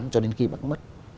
cho đến khi bác mất